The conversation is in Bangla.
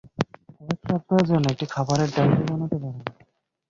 কয়েক সপ্তাহের জন্য একটি খাবারের ডায়েরি বানতে পারেন।